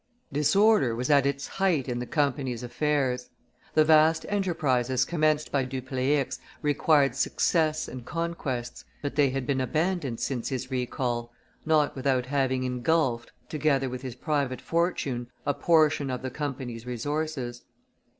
Disorder was at its height in the Company's affairs; the vast enterprises commenced by Dupleix required success and conquests, but they had been abandoned since his recall, not without having ingulfed, together with his private fortune, a portion of the Company's resources.